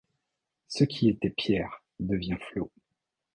Ce qui était pierre devient flot.